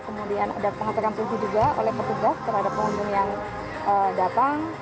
kemudian ada pengatakan puncu juga oleh ketubuh terhadap pengunjung yang datang